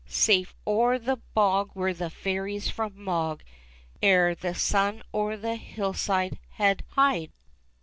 Safe o'er the bog were the fairies from Mogg Ere the sun o'er the hillside had hied.